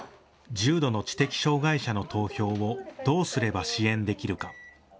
重度の知的障害者の投票をどうすれば支援できるか。